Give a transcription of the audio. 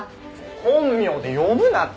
本名で呼ぶなって！